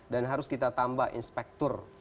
dan harus kita tambah inspektur